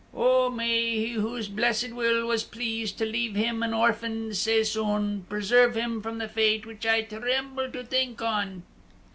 O may He whose blessed will was pleased to leave him an orphan sae soon, preserve him from the fate which I tremble to think on!"